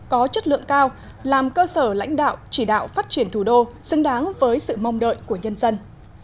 có chất lượng cao làm cơ sở lãnh đạo chỉ đạo phát triển thủ đô xứng đáng với sự mong đợi của nhân dân